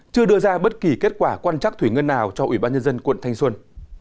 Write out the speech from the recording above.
chưa đưa ra bất kỳ kết quả quan trắc thủy ngân nào cho ủy ban nhân dân quận thanh xuân